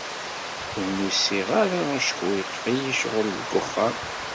Ur n-usiɣ ara acku yeṭṭef-iyi cɣel deg uxxam.